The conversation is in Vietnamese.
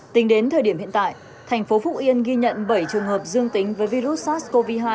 tính đến thời điểm hiện tại thành phố phúc yên ghi nhận bảy trường hợp dương tính với virus sars cov hai